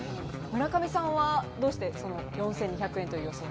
村上さんはどうして、その４２００円という予想？